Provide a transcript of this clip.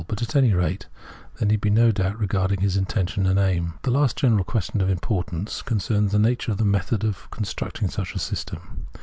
But at any rate there need be no doubt regarding his intention and aim. The last general question of importance concerns the nature of the method of constructing such a system.